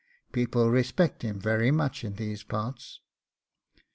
People respect him very much in these parts.